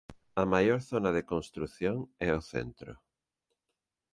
A maior zona de construción é o centro.